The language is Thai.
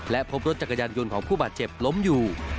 และพบรถจักรยานยนต์ของผู้บาดเจ็บล้มอยู่